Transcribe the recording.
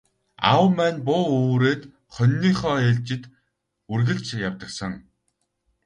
Аав маань буу үүрээд хониныхоо ээлжид үргэлж явдаг сан.